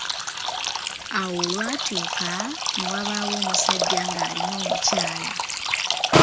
Awo olwatuuka, ne wabaaawo omusajja nga alina omukyala.